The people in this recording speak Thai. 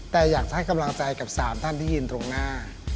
แต่อยากให้กำลังใจกับ๓ท่านที่ยืนตรงหน้า